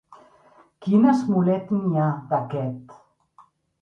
Quin esmolet n'hi ha, d'aquest!